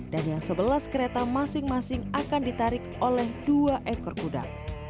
dan yang sebelas kereta masing masing akan ditarik oleh dua ekor kuda